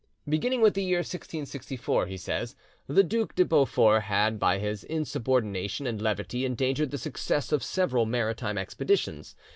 "Beginning with the year 1664.," he says, "the Duc de Beaufort had by his insubordination and levity endangered the success of several maritime expeditions.